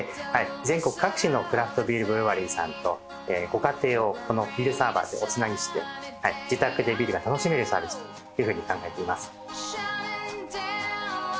全国各地のクラフトビールブリュアリーさんとご家庭をこのビールサーバーでおつなぎして自宅でビールが楽しめるサービスというふうに考えています。